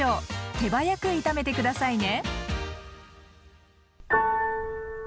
手早く炒めて下さいね！